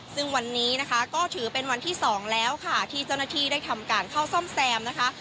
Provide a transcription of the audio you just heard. ซึ่งวันนี้นะคะก็ถือเป็นวันที่๒แล้วค่ะที่เจ้าหน้าที่ได้ทำการเข้าซ่อมแซมนะคะ